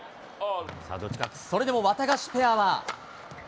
それでもワタガシペアは。